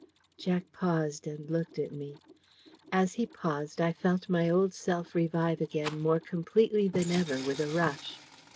Jack paused and looked at me. As he paused, I felt my old self revive again more completely than ever with a rush.